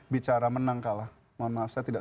bicara menang kalah mohon maaf saya tidak